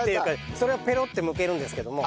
それがペロッてむけるんですけども。